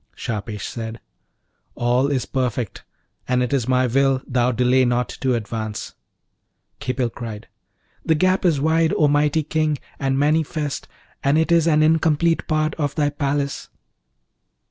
Shahpesh said, 'All is perfect, and it is my will thou delay not to advance.' Khipil cried, 'The gap is wide, O mighty King, and manifest, and it is an incomplete part of thy palace.'